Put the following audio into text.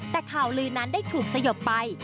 แต่ข่าวลือนั้นได้ถูกสยบไป